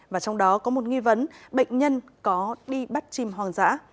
và trong đó có một nghi vấn bệnh nhân có đi bắt chim hoang dã